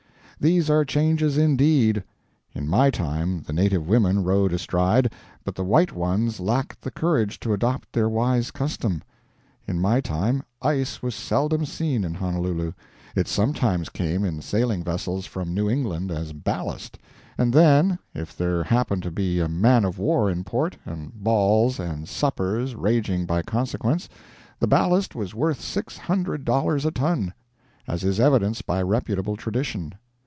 These are changes, indeed. In my time the native women rode astride, but the white ones lacked the courage to adopt their wise custom. In my time ice was seldom seen in Honolulu. It sometimes came in sailing vessels from New England as ballast; and then, if there happened to be a man of war in port and balls and suppers raging by consequence, the ballast was worth six hundred dollars a ton, as is evidenced by reputable tradition.